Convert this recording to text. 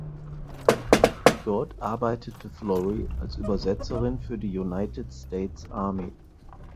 Dort arbeitete Flory als Übersetzerin für die United States Army.